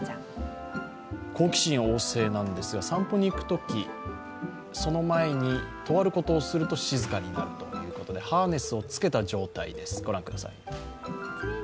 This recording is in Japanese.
好奇心旺盛なんですが散歩に行くとき、その前に、とあることをすると静かになるということで、ハーネスを付けた状態です、御覧ください。